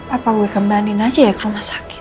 apa gue kembali naja ya ke rumah sakit